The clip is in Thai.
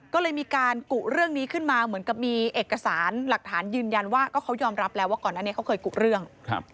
ก็เลยมีการกุเรื่องนี้ขึ้นมาเหมือนกับมีเอกสารหลักฐานยืนยันว่าก็เขายอมรับแล้วว่าก่อนอันนี้เขาเคยกุเรื่อง